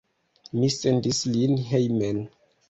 Mi sendis lin hejmen.